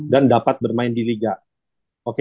dan dapat bermain di liga oke